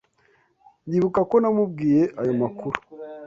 Ndibuka ko namubwiye ayo makuru.